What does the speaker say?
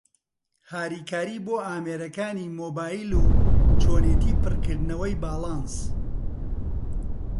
هاریکارى بۆ ئامێرەکانى مۆبایل و چۆنیەتى پڕکردنەوەى باڵانس